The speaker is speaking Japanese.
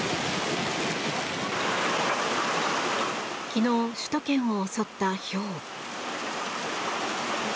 昨日、首都圏を襲ったひょう。